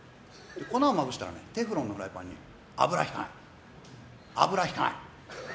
粉をまぶしたらテフロンのフライパンに油ひかないのの。